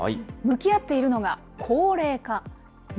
向き合っているのが、高齢化。